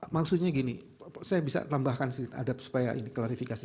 maksudnya gini saya bisa tambahkan sedikit ada supaya ini klarifikasi